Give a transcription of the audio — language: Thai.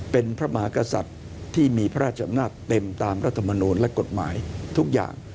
เป็นพระมหากษัตริย์ที่มีพระราชอำนาจเต็มตามรัฐมนูลและกฎหมายทุกอย่าง